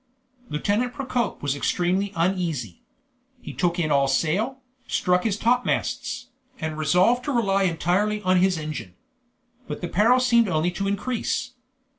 Lieutenant Procope was extremely uneasy. He took in all sail, struck his topmasts, and resolved to rely entirely on his engine. But the peril seemed only to increase.